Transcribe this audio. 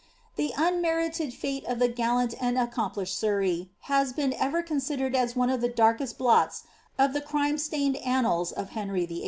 The unmerited fate of the gallant and accomplished Surrey ha? beeo ever considered as one of the darkest blots of the crime stained annali of Henry \'lll.